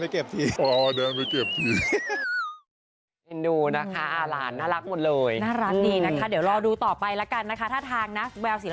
มีแสวไหมคะว่าแดนสอนอะไรลูกพี่นี่